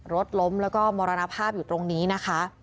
รถล้มแล้วก็มรณภาพอยู่ตรงนี้นะคะ